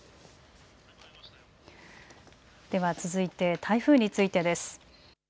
では続いて台風についてです。